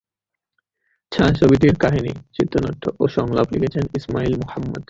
ছায়াছবিটির কাহিনী, চিত্রনাট্য ও সংলাপ লিখেছেন ইসমাইল মোহাম্মদ।